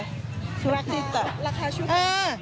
ราคาชุดสวย